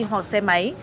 hoặc xe máy